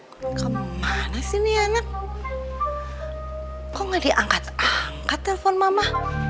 kemana sih nih anak kok gak diangkat angkat telepon mama